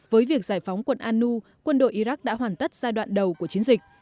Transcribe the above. với việc giải phóng quận anu quân đội iraq đã hoàn tất giai đoạn đầu của chiến dịch